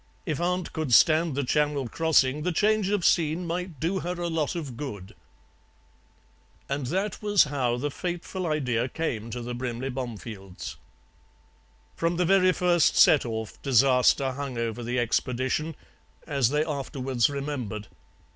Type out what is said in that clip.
If aunt could stand the Channel crossing the change of scene might do her a lot of good.' "And that was how the fateful idea came to the Brimley Bomefields. "From the very first set off disaster hung over the expedition, as they afterwards remembered.